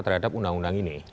terhadap undang undang ini